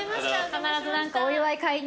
必ず何かお祝い買いに。